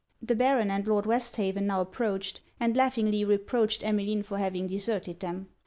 The Baron and Lord Westhaven now approached, and laughingly reproached Emmeline for having deserted them.